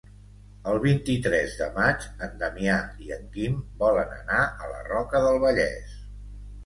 El vint-i-tres de maig en Damià i en Quim volen anar a la Roca del Vallès.